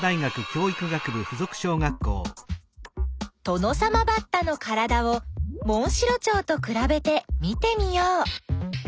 トノサマバッタのからだをモンシロチョウとくらべて見てみよう。